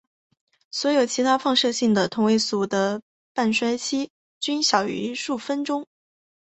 所有其他放射性同位素的半衰期均小于数分钟。